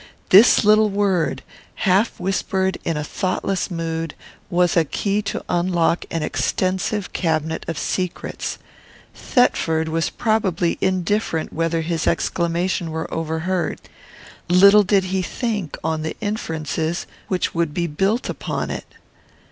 This little word, half whispered in a thoughtless mood, was a key to unlock an extensive cabinet of secrets. Thetford was probably indifferent whether his exclamation were overheard. Little did he think on the inferences which would be built upon it.